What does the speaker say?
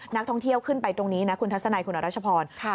นักท่องเที่ยวขึ้นไปตรงนี้นะคุณทัศนัยคุณรัชพร